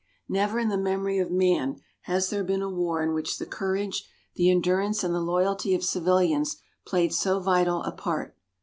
Never in the memory of man has there been a war in which the courage, the endurance and the loyalty of civilians played so vital a part.